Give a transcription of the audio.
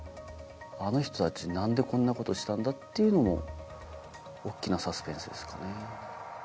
あの人たち何でこんなことしたんだっていうのも大っきなサスペンスですかね。